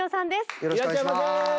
よろしくお願いします。